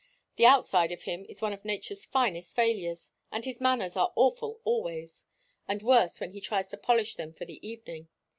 The outside of him is one of nature's finest failures, and his manners are awful always and worse when he tries to polish them for the evening.